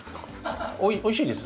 おいしいです。